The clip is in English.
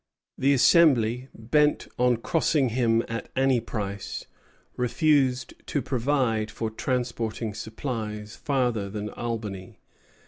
The Assembly, bent on crossing him at any price, refused to provide for transporting supplies farther than Albany.